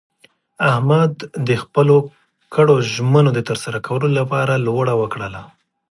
احمد د خپلو کړو ژمنو د ترسره کولو لپاره لوړه وکړله.